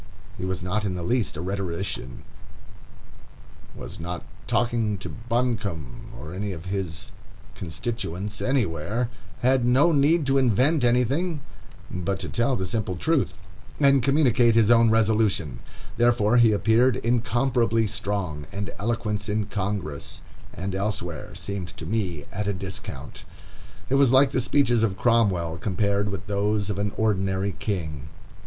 He was not in the least a rhetorician, was not talking to Buncombe or his constituents anywhere, had no need to invent anything but to tell the simple truth, and communicate his own resolution; therefore he appeared incomparably strong, and eloquence in Congress and elsewhere seemed to me at a discount. It was like the speeches of Cromwell compared with those of an ordinary king.